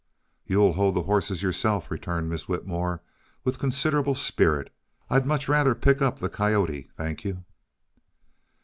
"You'll hold those horses yourself," returned Miss Whitmore, with considerable spirit. "I'd much rather pick up the coyote, thank you."